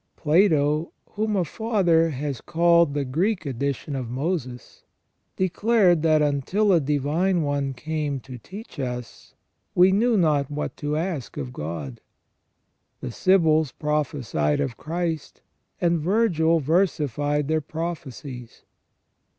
Plato, whom a Father has called the Greek edition of Moses, declared that until a Divine One came to teach us, we knew not what to ask of God. The Sibyls prophesied of Christ, and Virgil versified their prophecies.